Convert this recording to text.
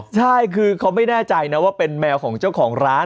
ใช่คือเขาไม่แน่ใจนะว่าเป็นแมวของเจ้าของร้าน